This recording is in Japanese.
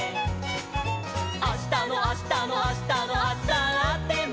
「あしたのあしたのあしたのあさっても」